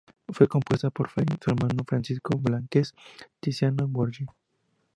Fue compuesta por Fey, su hermano Francisco Blázquez y Tiziano Borghi.